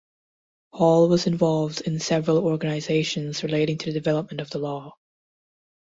Hall was involved in several organizations relating to the development of the law.